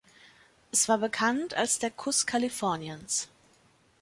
Es war bekannt als der Kuss Kaliforniens.